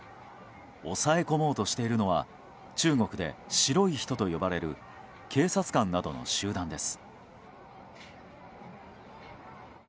抑え込もうとしているのは中国で白い人と呼ばれる警察官などの集団です。